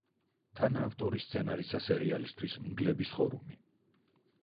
თანაავტორი სცენარისა სერიალისთვის „მგლების ხორუმი“.